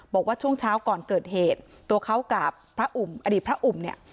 บอกว่าช่วงเช้าก่อนเกิดเหตุตัวเขากับพระอุ่มอดีตพระอุ่มเนี่ย